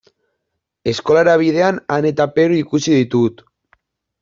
Eskolara bidean Ane eta Peru ikusi ditut.